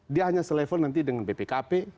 dia hanya selevel nanti dengan bpkp